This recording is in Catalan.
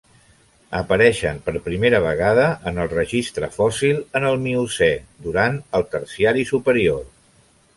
Apareixen per primera vegada en el registre fòssil en el Miocè, durant el Terciari superior.